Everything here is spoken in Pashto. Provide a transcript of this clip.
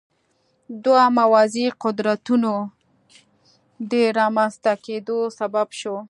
دوه موازي قدرتونو د رامنځته کېدو سبب شو.